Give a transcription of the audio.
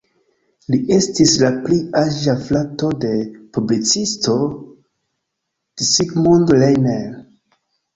Li estis la pli aĝa frato de publicisto Zsigmond Reiner.